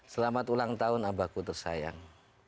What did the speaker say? selamat ulang tahun abahku tersayang